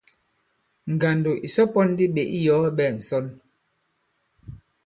Ngàndò ìsɔ pɔ̄n ndi ɓě iyɔ̀ɔ ɓɛ̄ɛ ŋ̀sɔnl.